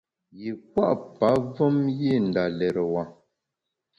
Yî pua’ pavem yî nda lérewa.